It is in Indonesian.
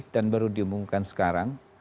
dan baru diumumkan sekarang